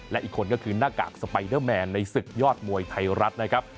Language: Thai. และอีกคนก็คือหน้ากากสไปเดอร์แมนในศึกยอดมวยไทยรัฐนะครับ